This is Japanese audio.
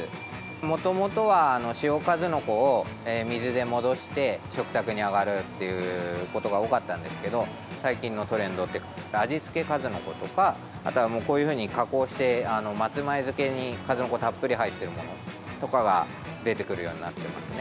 もともとは塩かずのこを水で戻して食卓に上がるっていうことが多かったんですけど最近のトレンドで味付けかずのことかあとは、こういうふうに加工して松前漬けに、かずのこたっぷり入っているものとかが出てくるようになってますね。